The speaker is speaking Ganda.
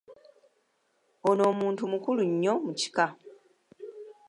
Ono muntu mukulu nnyo mu kika.